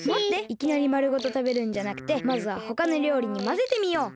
いきなりまるごとたべるんじゃなくてまずはほかのりょうりにまぜてみよう。